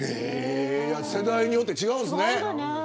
世代によって違うんですね。